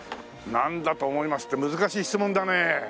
「なんだと思います？」って難しい質問だね。